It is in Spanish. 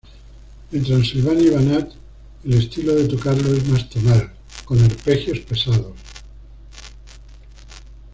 En Transilvania y Banat, el estilo de tocarlo es más tonal, con arpegios pesados.